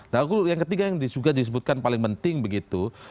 nah aku udah yang ketiga ia juga disebutkan paling penting begitu